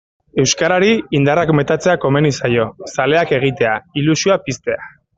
Euskarari indarrak metatzea komeni zaio, zaleak egitea, ilusioa piztea.